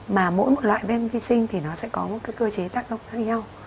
mà mỗi một loại bên vi sinh thì nó sẽ có một cái cơ chế tác động khác nhau